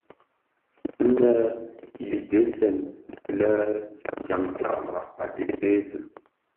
Nnë nyi dhesen le tyantyaran a dhi tèèzi.